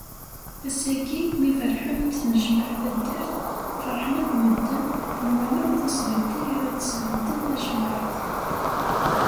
Ass-agi, mi berrḥen ad tennejmeɛ taddart, ferḥen akk medden, nwan akk d asbeddi ara d- sbedden tajmeɛt.